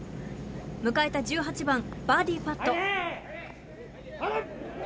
迎えた１８番バーディーパット。